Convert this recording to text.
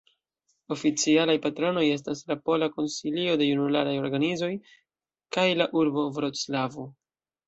Oficialaj patronoj estas la Pola Konsilio de Junularaj Organizoj kaj la urbo Vroclavo.